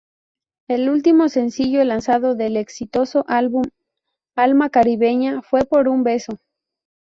El último sencillo lanzado del exitoso álbum "Alma caribeña" fue "Por un beso".